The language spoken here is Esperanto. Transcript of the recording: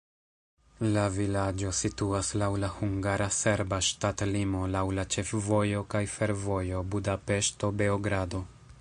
La vilaĝo situas laŭ la hungara-serba ŝtatlimo laŭ la ĉefvojo kaj fervojo Budapeŝto-Beogrado.